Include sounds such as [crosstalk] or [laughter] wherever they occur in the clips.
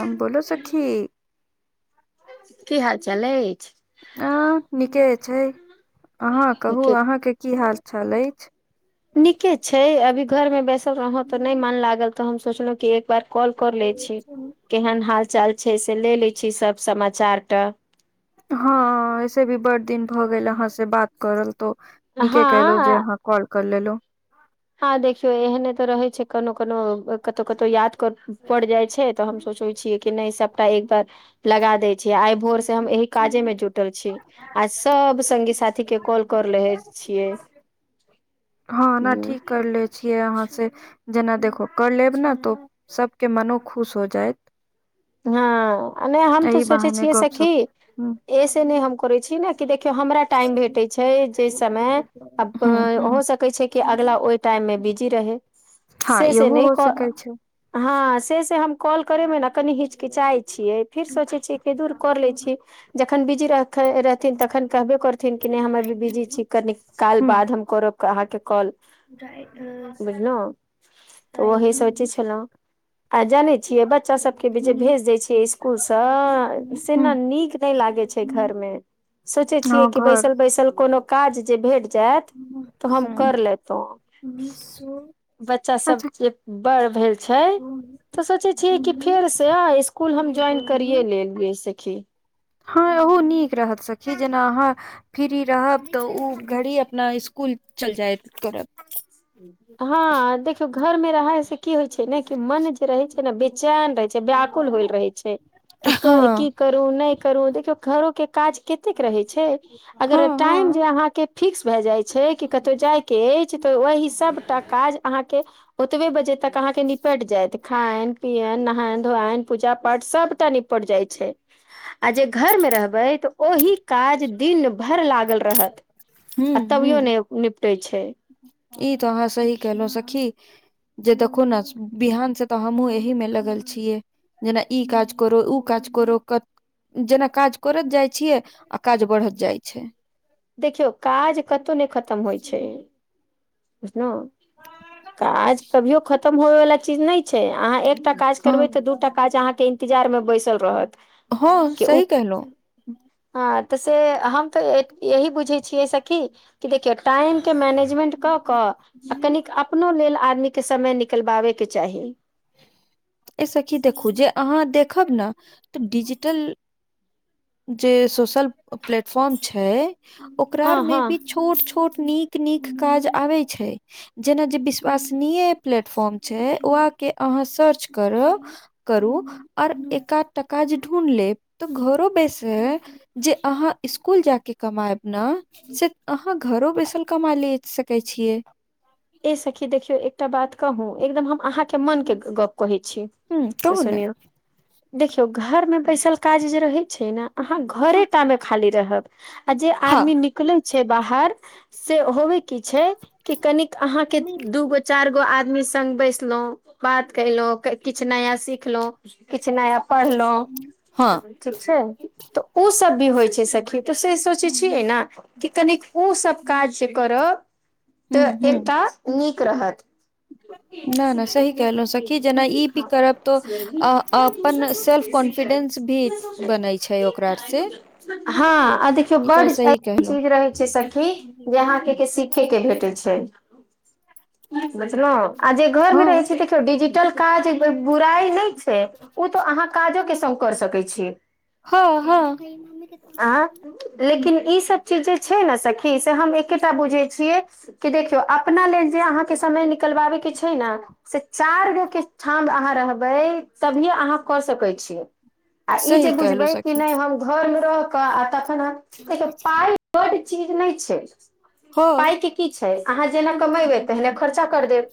ह बोलो सखी की हाल चाल अइछ आ नीके अछै अहाँ कहू निकेत अहाँके की हाल चाल अइछ नीके छै अभी घरमे बैसल रहौं तऽ नै मन लागल तऽ हम सोचलहुँ कि एक एक बार कॉल कर ल लै छी केहन हाल चाल छै से ले ले छी सब समाचार के हँ ऐसे भी बड़ दिन भ गेल अहाँ से बात करल तो नीके कलहु जे हँ अहाँ कॉल कर लेलो हँ देखियौ एहने त रहै छै कनो कोनो कतहु कतहु याद पड़ जाइ छै तऽ हम सोचे छियै कि नहि सबटा एकबार लगा दे छय छी आइ भोर से हम एहि काजे में जुटल छी आ सब संगी साथी के कॉल कर रहे छिय हँ न ठीक कर ले छिय अहाँ से जेना देखो कर लेब ने तो सबके मनो खुश हो जाइत हँ नहि हम तऽ एहि सोचे बहाने छियै से गपशप कि ह ऐसे नय हम करै छी ने कि देखियौ हमरा टाइम भेटै छै जे समय आब ह ह हो सकै छै कि अगला ओहि टाइम मे बिजी रहै हँ से से इहो नइ हो क सकै छै हँ से से हम कॉल करेमे ने कनि हिचकिचाइ छिय फिर सोचै छियै कि दूर कर लै छियै जखन बिजी रहथिन तखन कहबे करथिन कि नै हम अ भी बिजी छी कनिक काल ह बाद हम करब अहाँके कॉल बुझलहुँतऽ ओही सोचै छलहुँ आ जानै छियै बच्चा सब सबके जे भेज दै छिय स्कूल सँ ह सेना नीक नहि लागै छै घर मे सोचै हँ छियै कि घर बैसल बैसल कोनो काज जे भेट जायत तऽ हम ह कर लेतों बच्चा अच्छा सब जे बड़ भेल छै तऽ सोचै छियै कि फेर तय स्कुल हम ज्वाइन करए लेलए सखी हाँ ओहो नीक रहत सखी जेना अहाँ फिरीरहब त ओ घड़ी अपना स्कुल चलि जायब करब हँ देखियौ घर में रहै से की होइ छै ने कि मन जे रहै छै ने बेचैन रहै छै व्याकुल होइल रहै छै कि क की हँ करूँ नहि करूँ देखियौ घरोे के काज कतेक रहै छै अगर हँ टाइम हँ जे अहाँके फिक्स भए जाइ छै कि कतो जायके अछि त वहि सबटा काज अहाँके ओतबे बजे तक अहाँके निपट जायत खायन पियन नहायन धोयन पूजा पाठ सभटा निप पर जाइ छै आ जे घरमे रहबै त ओहि काज दिन भरि लागल रहत हूँ आ त बयो ने निपटे छै इ तो अहाँ सही केलहुं सखी जे देखू ने बिहान से तऽ हमहूँ एहि में लगल छियै जेना ई काज करो उ काज करो जेना काज करइत जाइ छियै आ काज बढ़त जाइ छै देखियौ काज कतौ नै खतम होइ छै बुझलहु काज कभियो खतम होे वाला चीज नै छै अहाँ एकटा काज हँ करबै त दूटा काज अहाँ के इंतजार में बैसल रहत हँ के उ सही केहलो हँ से त से हम त यही बुझै छियै से सखी देखिये टाइम के मैनेजमेंट क क आ कनिक अपनो लेल आदमी के समय निकलबाबेके चाही ए सखी देखु त खुद अहाँ देखब न त डिजिटल जे सोशल प्लेटफॉर्म छै ओकरा आर हँ में हँ भी छु छोट छोट नीक नीक काज आबै छै जेना जे विश्वसनीय प्लेटफॉर्म छै ओआके अहाँ सर्च करू करू और एकाध टा काज ढूँढ़ लेब त घरो बस हे जे अहाँ स्कुल जाके कमायब ने से अहाँ घरो बैसल कमा ले सकै छिय ए सखी देखियौ एकटा बात कहू एकदम हम अहाँ के मन के गप कहे छी ह कहू ने देखियो घरमे बैसल काज जे रहैत छै ने अहाँ हँ घरेटा मे खाली रहब आ जे हँ आदमी निकलै छै बाहर से होबे की छे कि अहाँ के दुगो चार गो एगो आदमी संग बैसलो बात कयलो किछ नया सिखलो किछ नया कहलो ठीक छै त ओ सब भी होइ छै सखी तसे सोचै छियै ने कि कनी ओसब काज जे करब तऽ ह ह एकटा नीक रहत ना ना सही कहलहुँ सखी जेना ई भी करब तो [unintelligible] अ अपन सेल्फ कॉन्फिडेंस भी बनै छै ओकरा से हँ आ देखियौ ई तऽ बड एन सही कहलहुँ चीज रहे छै सखी जे अहाँ के सी ठीके भेटै छै जे घर मे रहै हँ छै देखियौ डिजिटल काज बुराइ नहि छै ओ तऽ अहाँ काजो के संग क सकै छीयै हँ हँ आं लेकिन ई सब चीज जे छै न सखी से हम एकेटा बुझै छियै कि देख केओ अपना लेल जे अहाँके समय निकलबा बैके छै न से चारगो के ठाँ अहाँ रहबै तभी य अहाँ क सकै छीयै आ ई जे सही कहलहुँ बुझबै कि सखी नै हम घर मे रहके आ तखन हम पाइ बड चीज नै छै हँ पाइ के की छै अहाँ जेना कमेबै तेने खर्चा कर देब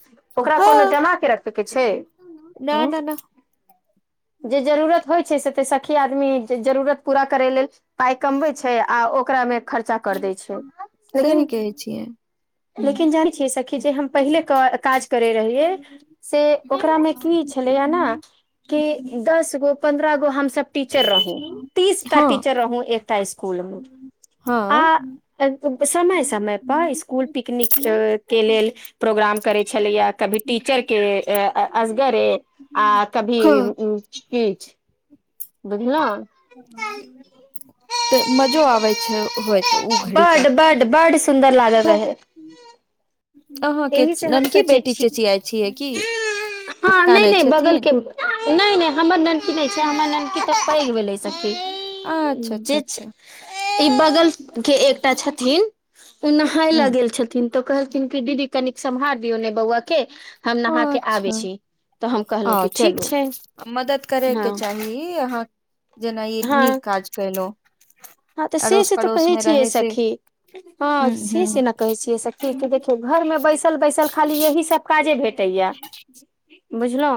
ओकरा कोनो जमा के रखे के छय न न न जे जरूरत होइ छै से त सखी आदमी जे जरूरत पूरा करे लेल पाय कमबै छै आ ओकरा मे खर्चा कर दै छै लेकिन छि लेकिन जानै छियै सखी जे हम पहिले क काज करै रहियै से ओकरा मे की छलैया न कि दस गो पन्द्रह गो हमस टीचर रहुँ तीसटा हँ टीचर रहुँ एकटा स्कुल में हँ आ समय समय पर इस्कूल पिकनिक के लेल प्रोग्राम करै छलैया कभी टीचर के असगरे आ कभी अ किछ बुझलौं त मजा आबऐ छै होइ त ओ घड़ी त बड बड बड सुन्दर लागत रहै अहाँके एहि से हम ननकी सोचै बेटी छी चेचियाइ छियै की हँ नै कानै नै बगल छथिन के नै नहि हमर नन्नकी नहि छै हमर नन्नकी तऽ पैघ भेले छै सखी अच्छा अच्छा जे छ अच्छा ई बगल के एकटा छथिन ओ नहाय ल हूँ गेल छथिन तऽ कहलथिन क दीदी कनिक सम्हार दियौ ने बौआ के हम नहा के आबै छी तऽ हम कहलहुँ अं कि ठीक चलू छै मदद करय हँ के चाही अहाँ जेना इ हँ निक काज कैलो हँ त से से तऽ कहै छियै सखी ह हँ से ह से नहि कहै छियै सखी देख घर में बैसल बैसल खाली यही सब काजे भेटैया बुझलउ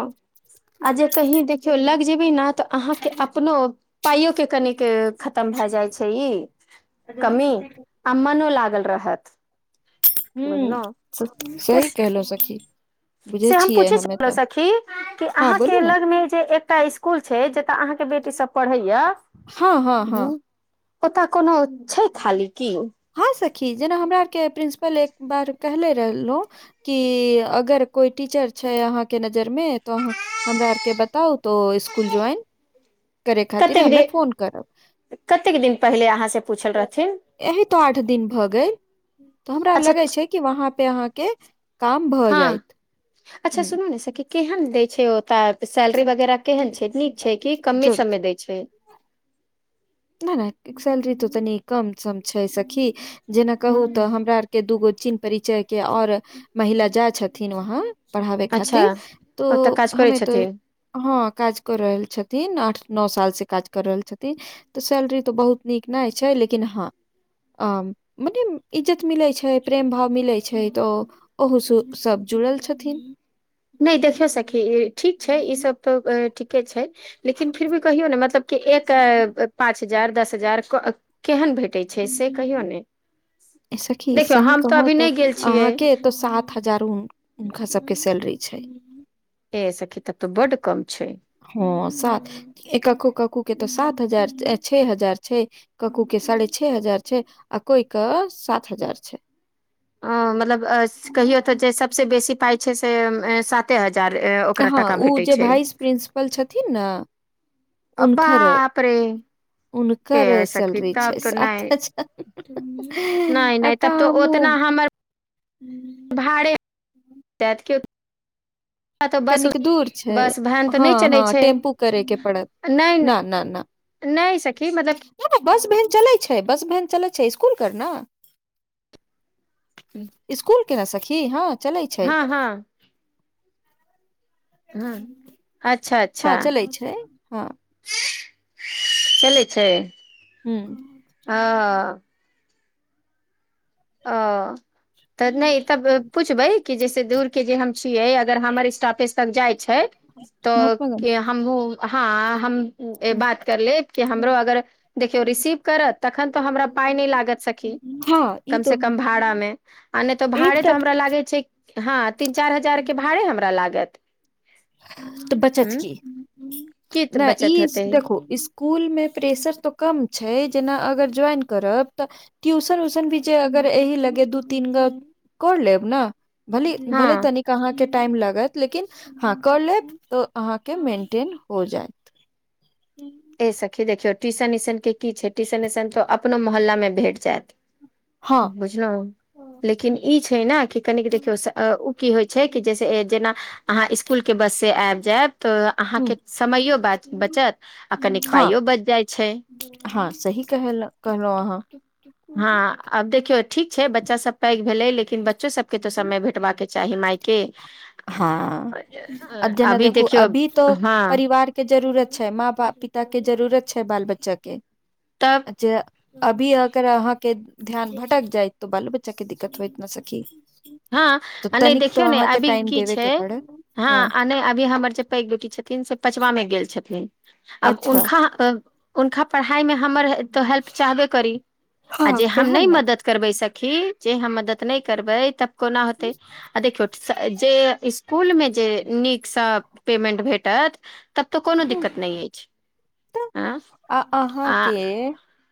आ जे कही देखियौ लग जेबै ने तऽ अहाँ के अपनो पाइयो के कनिक खतम छ इ कमी आ मनो लागल रहत ह बुझलहुँ से सही कहलो सखी बुझै से हम छियै पूछै हमे छलहु तऽ सखी कि हँ अहाँ बोलू के ने लगमे जे एकटा स्कुल छै जतऽ अहाँ के बेटी सब पढ़ैया हँ हँ हँ हु ओताऽ कोनो छै खाली कि हँ सखी जेना हमरा आर के प्रिंसिपल एक बार कहले रहलहु कि अगर कोइ टीचर छै अहाँ के नजरमे तऽ अहाँ हमरा आर के बताउ तो इसकुल ज्वइन करै खातिर कतेक दे हमे फोन करब कतेक दिन पहिले अहाँ से पूछल रहथिन एही तो आठ दिन भऽ गेल हमरा अच्छा लगे छै कि वहाँ पे अहाँ के काम भऽ हँ जायत अच्छा सुनू ने सखी केहन दय छै ओत सैलरी वगैरह केहन छै नीक छै कि कमे जरूर समे दै छै नहि नहि सैलरी तो तनी कम सम छै सखी जेना कहू हँ तऽ हमरा आर के दूगो चीन्ह परिचय के और महिला जा छथिन वहाँ पढ़ावे अच्छा खातिर तो ओतऽ काज करै हमे तो छथिन हँ काज कऽ रहल छथिन आठ नअ साल सँ काज कर रहल छथिन सैलरी तऽ बहुत नीक नहि छै लेकिन हँ आ मने इज्जत मिलैत छै प्रेम भाव मिलैत छै तऽ ओहो सु सभ जुड़ल छथिन नहि देखियो सखी ठीक छै ई सब तऽ ठीके छै लेकिन फिर भी कहियौ ने मतलब कि एक पाँच हजार दस हजार केहन भेट कटै छै से कहियौ ने ए सखी देखियौ सही हम तऽ अभी नहि गेल छियै हजारो हुनका सबके सैलरी छै ए सखी तब तो बड कम छै हँ सात एकक्को कको के तऽ सात हजार छ हजार छै ककू के साढ़े छे हजार छै आ कोई के सात हजार छै अ मतलब कहियो तऽ जे सबस बेसी पाइ छै से कते हजार ओकरा टाका भेटै छै प्रिन्सिपल छथिन ने हुनकर बाप रे हुनकर ए सखी सैलरी तब छै तऽ सात नहि नहि हजार नहि तब तो कामो ओतना हमर [inaudible] भाड़े [unintelligible] तऽ बस कनिक दूर छै बस भहन तऽ हँ नहि चलै हँ छै टेम्पू करे के पड़त नहि न न न नहि नहि सखी नहि बस भेन चलैत छै बस भेन चलैत छै स्कूल कर ने स्कूल के ना सखी हँ चलैत छै हँ हँ हँ अच्छा अच्छा हँ चलै छै हँ चलै छै ह्म ओ [unintelligible] ओ तऽ नहि तब पूछबै कि जैसे दूर हम छियै अगर हमर स्टाफ तक जाइ छै महात्मा तऽ हमू हँ हमू गाँधी बात कर ले कि हमरो अगर देखियौ रिसीव करत तखन तऽ हमरा पाइ नहि लागत सखी हँ ई कम तो से कम भाड़ा मे आ नहि तऽ भाड़े तऽ एकटा हमरा लागे छै हँ तीन चारि हजारके भाड़े हमरा लागत तऽ बचत उं की की नहि बचत ई होतै देखू इ स्कूल मे प्रेशर तऽ कम छै जेना अगर ज्वाइन करब तऽ ट्यूशन उशन भी जे अगर एहि लगे दू तीन गो कर लेब ने भले भले हँ तनिक अहाँके टाइम लागत लेकिन हँ कर लेब तऽ अहाँके मेन्टेन हो जायत ह [inaudible] ए सखी देखियौ टीशन इसन के की छै टीशन तो अपनो मोहल्ला मे भेट जायत हँ बुझलहुँ लेकिन ई छै ने कि कनिक देखियौ से ओ की होइ छै कि जैसे जेना अहाँ स्कूल के बस से आबि जायब तऽ अहाँके समयो बचत आ कनिक हँ पाइयो बचि जाइत छै हँ सही कह कहलहु अहाँ हँ आब देखियौ ठीक छै बच्चा सब पैघ भेले लेकिन बच्चो सब के तो समय भेटबाका के चाही मायके हँ आ जेना अभी देखू देखियौ अभी तऽ हँ परिवार के जरूरत छै माँ पिता के जरूरत छै बाल बच्चा के तब जे अभी अगर अहाँके ध्यान भटक जाइ तऽ बालो बच्चाे दिक्कत हो इतना सखी हँ तऽ नहि तनिक तो देखियौ ने अहाँके अभी टाइम की देबे छै के पड़त हँ नहि अभी हमर जे पैघ बेटी छथिन से पचवाँ मे गेल छथिन आब अच्छा हुनका हुनका पढ़ाइ मे हमर तो हेल्प चाहबे करी आ हँ जे हम नहि केहन ने मदद करबै सखी जे हम मदद नहि करबै तब कोना होतै आ देखियौ जे स्कूल मे जे नीकसँ पेमेंट भेटत तब तऽ कोनो दिक्कत नहि अछि तऽ हाँ आ आ अहाँके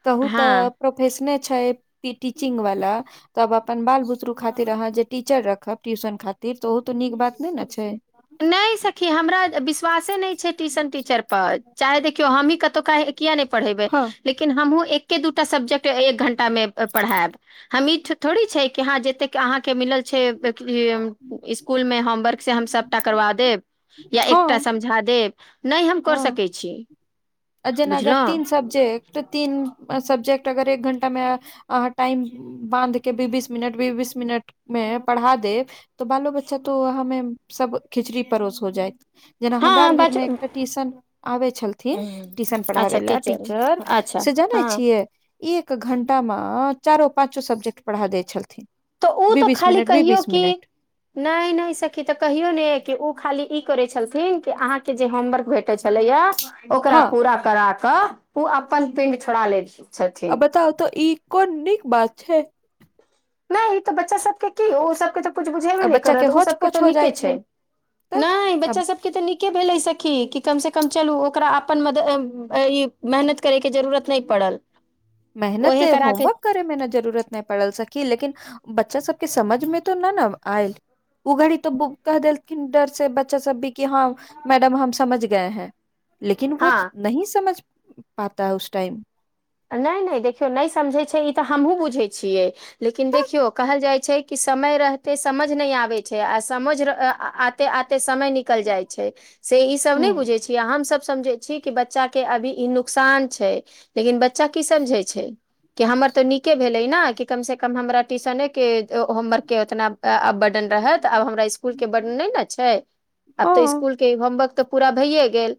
कहू हँ तऽ प्रोफेशने छै टीचिंग वाला तब अपन बाल बुतरू खातिर अहाँ जे टीचर रखब ट्यूशन खातिर तऽ ओ तऽ नीक बात नहि ने छै नहि सखी हमरा विश्वासे नहि छै ट्यूशन टीचर पर चाहे देखियौ हमहीं कतहु काह किया नहि पढ़ेबै हँ लेकिन हमहुँ एके दूटा सब्जेक्ट एक घंटा मे पढ़ायब हमीठ थोड़ी छै कि हाँ जतेक अहाँ के मिलल स्कुल मे होमवर्क से हम सबटा करबा देब या एकटा हँ समझा देब नहि हम कर हँ सकै छियै जेना अगर तीन सब्जेक्ट तीन सब्जेक्ट अगर एक घण्टामे अहाँ टाइम बान्ध के बी बीस मिनट बी बीस मिनट मे पढ़ा देव तऽ बालो बच्चा तो हमे सब खिचड़ी परोस हो जाइ जेना हमरा आर हँ बच घरमे एकटा ट्यूशन आबै छलथिन ट्यूशन अच्छा पढ़ाबै ला टीचर अच्छा से जानै हँ छियै एक घंटामे चारो पाँचो सब्जेक्ट पढ़ा दै छलथिन तऽ ओ बी तऽ बीस खाली मिनट बी कहियौ बीस कि मिनट नहि नहि सखी तऽ कहियौ ने कि ओ खाली ई करै छलथिन कि अहाँके जे होमवर्क भेटे छलैया ओकरा हँ पूरा करा कऽ ओ अपन पिंड छोड़ा लै छै आ बताउ तऽ ई कोन नीक बात छै नहि ई तो बच्चा सब ओ सबके तऽ कछु बुझेबे आ नहि बच्चा के करत ओ होच सबके पोच तऽ हो जाइ निके छै तऽ नहि आ बच्चा सब तऽ नीके भेल सखी कि कमसँ कम चलू ओकरा अपन मदद ई मेहनत करैके जरूरत नहि पड़ल मेहनत ओहे करा के होमवर्क करे मे ने जरूरत नहि पड़ल सकी लेकिन बच्चा सबके समझ मे तो नहि ने आयल ओ घड़ी तो कह देलथिन डर से बच्चा सब भी कि हँ मैडम हम समझ गए हैं लेकिन वो हँ नहि समझ पाता है उस टाइम नहि नहि देखियौ नहि समझै छै ई तऽ हमहुँ बुझैत छियै लेकिन तऽ देखियौ कहल जाइ छै कि समय रहते समझ नहि आबैत छै आ समझ आते आते समय निकल जाइ छै से ई सब नहि हम्म बुझे छियै हमस समझे कि बच्चा के अभी इ नुकसान छै लेकिन बच्चा की समझै छय कि हमर तऽ नीक के भेलै ने कि कम से कम हमरा टिशने के होमवर्क के उतना अ आब वर्डन रहत आब हमरा स्कूल के वर्न नहि ने छै आब तऽ हाँ स्कूल होमवर्क तऽ पूरा भैयए गेल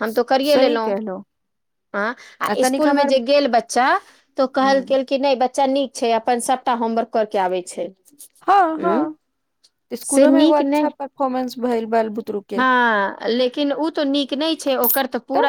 हम तो करिए सही लेलहु कहलो हँ आ इ तनिक स्कूल में हमर जे गेल बच्चा तो कहलक हम्म कि नै बच्चा नीक छै अपन सभटा होमवर्क कर के आबै छै हँ हँ उ से इस्कूलोमे एगो नीक अच्छा नहि परफॉर्मन्स भेलल बाल बुतरुक हँ लेकिन उ तो नीक नहि छै ओकर तऽ पूरा